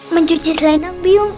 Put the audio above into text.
mencuci selendang biung